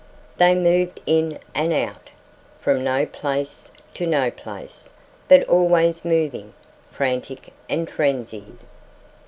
They moved in and out, from no place to no place, but always moving, frantic and frenzied.